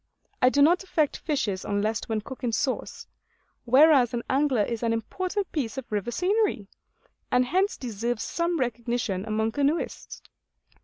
I do not affect fishes unless when cooked in sauce; whereas an angler is an important piece of river scenery, and hence deserves some recognition among canoeists.